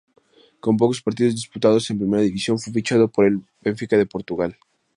Con pocos partidos disputados en Primera división fue fichado por el Benfica de Portugal.